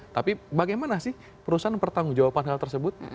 tapi bagaimana sih perusahaan bertanggung jawaban hal tersebut